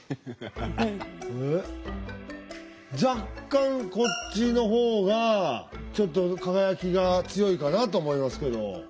若干こっちの方がちょっと輝きが強いかなと思いますけど。